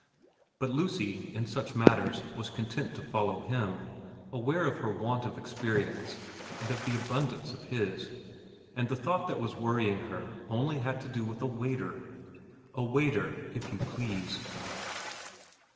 But Lucy in such matters was content to follow him, aware of her want of ex perience and of the abundance of his, and the thought xv VERA 161 that was worrying her only had to do with a waiter. A waiter, if you please.